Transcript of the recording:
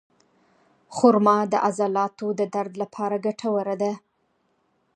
خرما د عضلاتو د درد لپاره ګټوره ده.